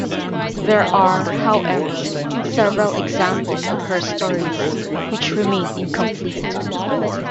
There are, however, several examples of her stories which remained incomplete.